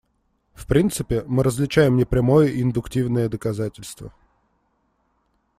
В принципе, мы различаем непрямое и индуктивное доказательство.